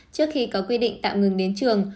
trước khi có quy định tạo ngừng đến trường